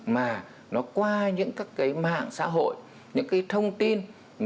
mà nó qua những các cái mạng xã hội những cái thông tin